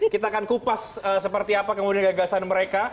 kita akan kupas seperti apa kemudian gagasan mereka